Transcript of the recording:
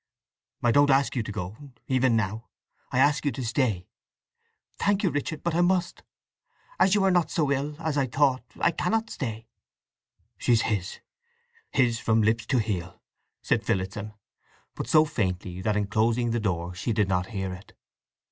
"I don't ask you to go, even now. I ask you to stay." "I thank you, Richard; but I must. As you are not so ill as I thought, I cannot stay!" "She's his—his from lips to heel!" said Phillotson; but so faintly that in closing the door she did not hear it.